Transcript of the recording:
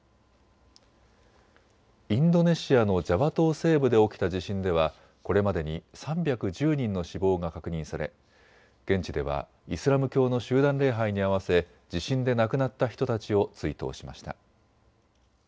インドネシアのジャワ島西部で起きた地震ではこれまでに３１０人の死亡が確認され現地ではイスラム教の集団礼拝にあわせ、地震で亡くなった人たちを追悼しました。